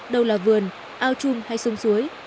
đâu là vườn ao chung hay sông suối